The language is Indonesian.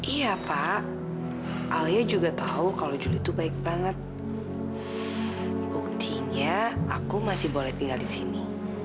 iya pak alia juga tahu kalau juli itu baik banget buktinya aku masih boleh tinggal di sini